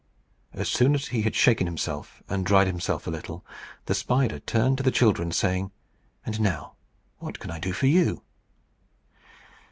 As soon as he had shaken himself, and dried himself a little, the spider turned to the children, saying, "And now, what can I do for you?"